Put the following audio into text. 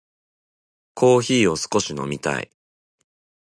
コーヒーを少し飲みたい。